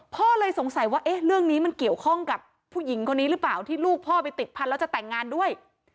พ่อเลยสงสัยว่าเอ๊ะเรื่องนี้มันเกี่ยวข้องกับผู้หญิงคนนี้หรือเปล่าที่ลูกพ่อไปติดพันธุ์แล้วจะแต่งงานด้วย